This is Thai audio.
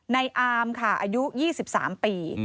ในอามค่ะอายุ๒๓ปี